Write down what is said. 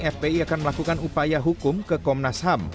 fpi akan melakukan upaya hukum ke komnas ham